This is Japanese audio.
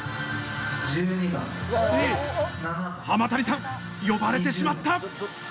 濱谷さん呼ばれてしまった！